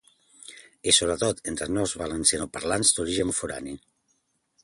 i sobretot entre els nous valencianoparlants d'origen forani